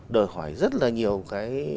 đòi hỏi rất là nhiều cái